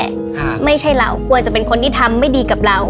ค่ะไม่ใช่เรากลัวจะเป็นคนที่ทำไม่ดีกับเรา